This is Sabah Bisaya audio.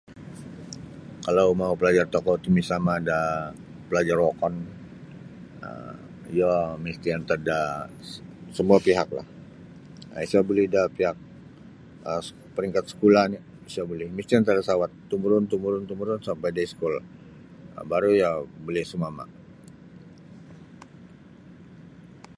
Kalau mau palajar tokou ti misama' da palajar wokon um iyo misti antad da semua pihaklah um isa buli da pihak um peringkat skula oni isa buli misti antad sawat tumurun-tumurun tumurun sampai da iskul um baru iyo buli sumama'.